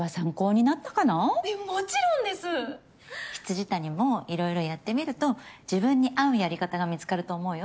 未谷もいろいろやってみると自分に合うやり方が見つかると思うよ。